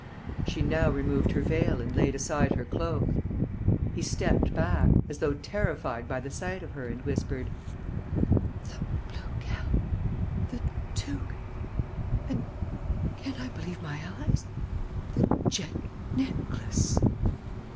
She now removed her veil and laid aside her cloak. He stepped back, as though terrified by the sight of her, and whispered: "The blue gown!... The toque!... And can I believe my eyes? the jet necklace!..."